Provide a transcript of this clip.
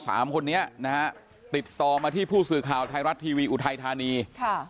สามคนนี้นะฮะติดต่อมาที่ผู้สื่อข่าวไทยรัฐทีวีอุทัยธานีค่ะ